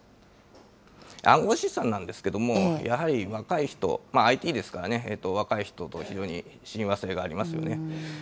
暗号資産なんですけれども、やはり、若い人、ＩＴですからね、若い人は非常に親和性がありますよね。